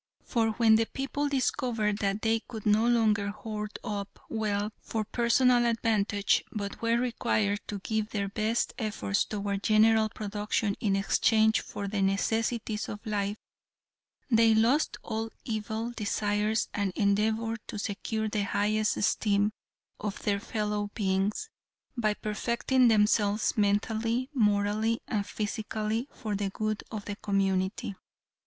For when the people discovered that they could no longer hoard up wealth for personal advantage, but were required to give their best efforts toward general production in exchange for the necessities of life, they lost all evil desires and endeavored to secure the highest esteem of their fellow beings by perfecting themselves mentally, morally and physically for the good of the community.